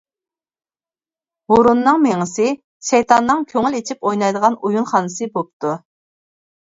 ھۇرۇننىڭ مېڭىسى شەيتاننىڭ كۆڭۈل ئېچىپ ئوينايدىغان ئويۇنخانىسى بوپتۇ.